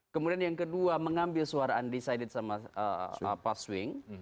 kemudian yang kedua mengambil suara undecided sama swing